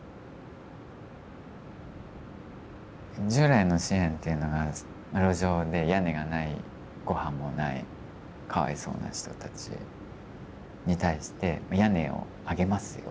従来の支援っていうのが路上で屋根がないごはんもないかわいそうな人たちに対して屋根をあげますよ